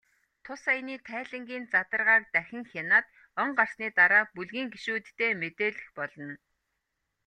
Тус аяны тайлангийн задаргааг дахин хянаад, он гарсны дараа бүлгийн гишүүддээ мэдээлэх болно.